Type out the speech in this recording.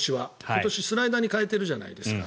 今年スライダーに変えているじゃないですか。